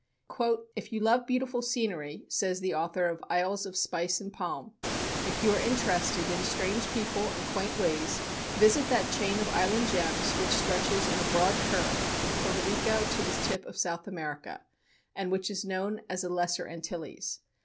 "If you love beautiful scenery," says the author of "Isles of Spice and Palm" "if you are interested in strange people and quaint ways, visit that chain of island gems which stretches in a broad curve from Porto Rico to the tip of South America, and which is known as the Lesser Antilles.